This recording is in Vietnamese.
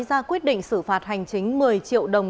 ra quyết định xử phạt hành chính một mươi triệu đồng